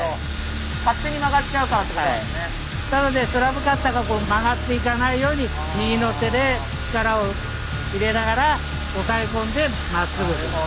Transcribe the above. なのでスラブカッターが曲がっていかないように右の手で力を入れながら押さえ込んでまっすぐ進むんです。